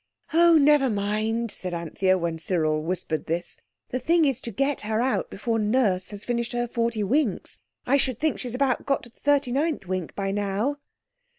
"Oh, never mind," said Anthea, when Cyril whispered this. "The thing is to get her out before Nurse has finished her forty winks. I should think she's about got to the thirty ninth wink by now."